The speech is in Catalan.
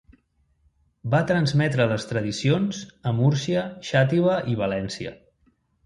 Va transmetre les tradicions a Múrcia, Xàtiva i València.